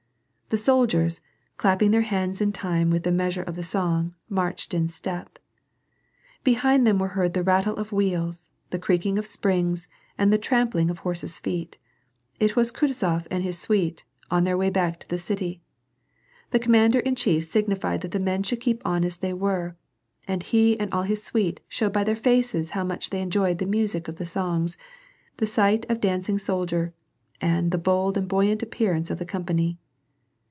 The soldiers, clapping their hands in time with the measure of the song, marched on in stejj. Behind them were heard the rattle of wheels, the creaking of springs, and the trampling of horses' feet. It was Kutuzof and his suite, on their way back to the city. The commander in chief signified that the men should keep on as they were, and he and all his suite showed by their faces how much they enjoyed the music of the songs, the sight of the dancing sol dier, and the bold and buoyant appearance of the company.